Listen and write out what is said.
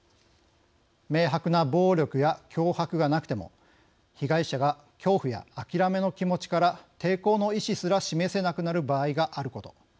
明白な暴力や脅迫がなくても被害者が恐怖や諦めの気持ちから抵抗の意思すら示せなくなる場合があること。